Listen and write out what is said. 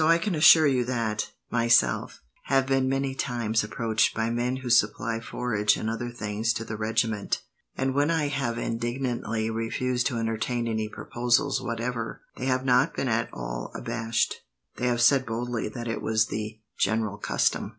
"I can assure you that I, myself, have been many times approached by men who supply forage and other things to the regiment, and when I have indignantly refused to entertain any proposals whatever, they have not been at all abashed, but have said boldly that it was the general custom.